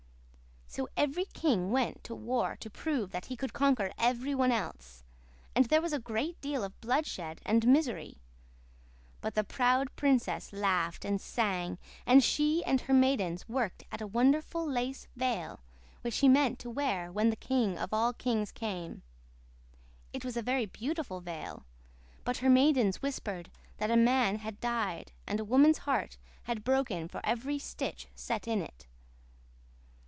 "So every king went to war to prove that he could conquer every one else, and there was a great deal of bloodshed and misery. But the proud princess laughed and sang, and she and her maidens worked at a wonderful lace veil which she meant to wear when the king of all kings came. It was a very beautiful veil; but her maidens whispered that a man had died and a woman's heart had broken for every stitch set in it.